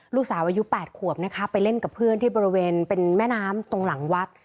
ลูกสาวอายุ๘ขวบนะคะไปเล่นกับเพื่อนที่บริเวณเป็นแม่น้ำตรงหลังวัด